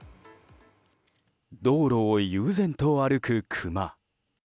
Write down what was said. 道路を悠然と歩くクマ。